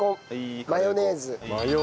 マヨネーズ。